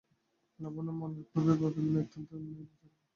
লাবণ্য মনের ক্ষোভে বাপের প্রতি নিতান্ত অন্যায় বিচার করলে।